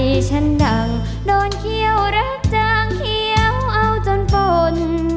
ฉันดังนอนเขี้ยวรักจางเขียวเอาจนฝน